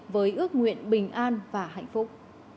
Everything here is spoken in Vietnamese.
với ước nguyện bình an và hạnh phúc